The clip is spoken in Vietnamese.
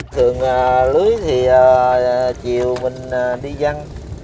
thường lưới thì chiều mình đi văn